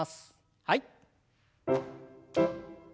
はい。